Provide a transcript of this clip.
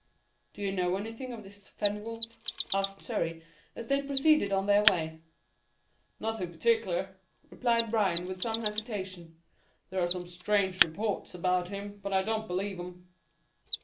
"Do you know anything of this Fenwolf?" asked Surrey, as they proceeded on their way. "Nothing particular," replied Bryan, with some hesitation. "There are some strange reports about him, but I don't believe 'em."